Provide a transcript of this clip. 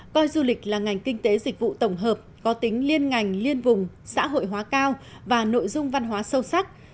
coi du lịch là ngành kinh tế dịch vụ tổng hợp có tính liên ngành liên vùng xã hội hóa cao và nội dung văn hóa sâu sắc